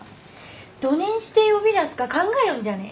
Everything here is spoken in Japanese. どねんして呼び出すか考えよんじゃねえ？